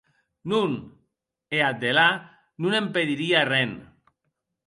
Non, e, ath delà, non empedirie arren.